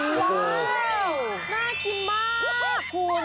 น่ากินมากคุณ